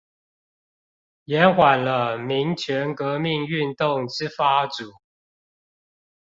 延緩了民權革命運動之發主